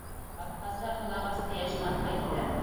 Абхаздар был ағасты йәшен атмай тиҙәр.